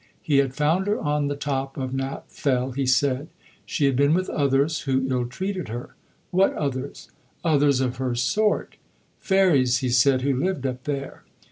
He had found her on the top of Knapp Fell, he said; she had been with others, who ill treated her. What others? Others of her sort. Fairies, he said, who lived up there.